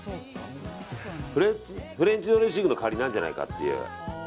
フレンチドレッシングの代わりになるんじゃないかという。